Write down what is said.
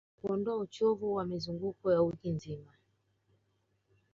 Na kuondoa uchovu wa mizunguko ya wiki nzima